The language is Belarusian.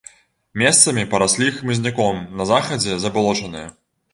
Месцамі параслі хмызняком, на захадзе забалочаныя.